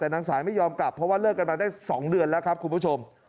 แต่นางสายไม่ยอมกลับเพราะว่าเลิกกันมาได้๒เดือนแล้วครับคุณผู้ชม